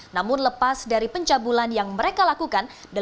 namun lepas dari pencabulan yang mereka lakukan